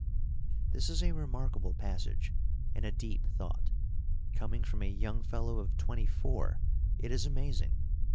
This is a remarkable passage and a deep thought. Coming from a young fellow of twenty four, it is amazing.